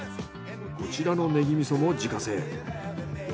こちらのネギ味噌も自家製。